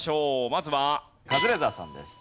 まずはカズレーザーさんです。